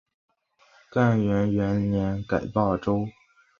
干元元年改霸州。